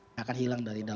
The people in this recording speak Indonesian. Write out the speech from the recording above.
nggak akan hilang dari kita